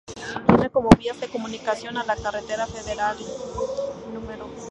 Tiene como vías de comunicación a la carretera federal No.